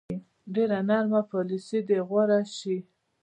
ډېره نرمه پالیسي دې غوره شي.